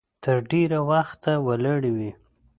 تر ډېره وخته ولاړې وي.